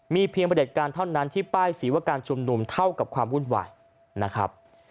มีเพียงประเด็จการเท่านั้นที่ป้ายสีว่าการชุมนุมเท่ากับความวุ่นวายนะครับ